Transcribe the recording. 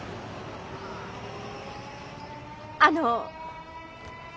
あの。